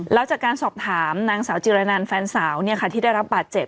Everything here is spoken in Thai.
แล้วจากการสอบถามนางสาวจิรนันแฟนสาวที่ได้รับบาดเจ็บ